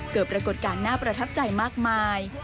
เกิดปรากฏการณ์น่าประทับใจมากมาย